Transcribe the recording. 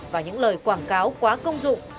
và những lời quảng cáo quá công dụng